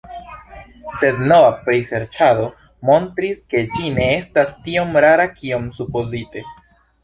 Sed nova priserĉado montris, ke ĝi ne estas tiom rara kiom supozite.